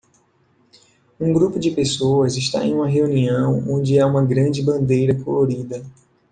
Um grupo de pessoas está em uma reunião onde há uma grande bandeira colorida